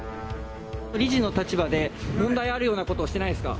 理事の立場で、問題あるようなことはしてないですか？